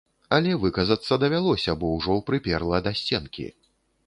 Але выказацца давялося, бо ўжо прыперла да сценкі.